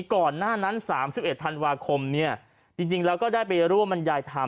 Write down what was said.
ก่อนหน้านั้นสามสิบเอ็ดธันวาคมเนี่ยจริงจริงเราก็ได้ไปร่วมบรรยายธรรม